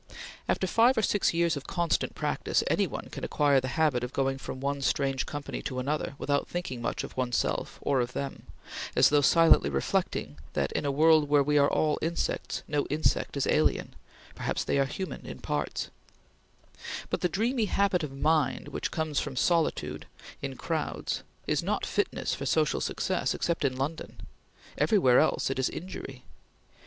After five or six years of constant practice, any one can acquire the habit of going from one strange company to another without thinking much of one's self or of them, as though silently reflecting that "in a world where we are all insects, no insect is alien; perhaps they are human in parts"; but the dreamy habit of mind which comes from solitude in crowds is not fitness for social success except in London. Everywhere else it is injury.